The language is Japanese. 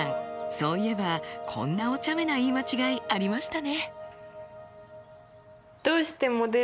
そういえばこんなおちゃめな言い間違いありましたね。